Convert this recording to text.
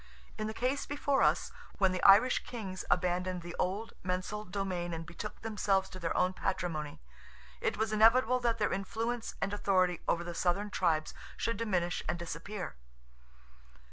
In the case before us, when the Irish Kings abandoned the old mensal domain and betook themselves to their own patrimony, it was inevitable that their influence and authority over the southern tribes should diminish and disappear.